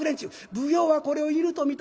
奉行はこれを犬と見た。